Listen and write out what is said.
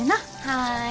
はい。